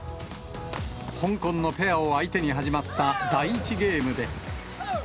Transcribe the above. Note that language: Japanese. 香港のペアを相手に始まった第１ゲームで。